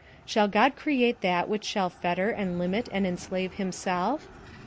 Shall God create that which shall fetter and limit and enslave himself?